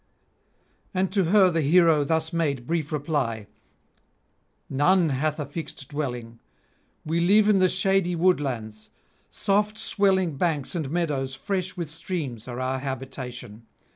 And to her the hero thus made brief reply: 'None hath a fixed dwelling; we live in the shady woodlands; soft swelling banks and meadows fresh with streams are our habitation.